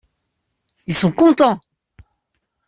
Ils sont contents!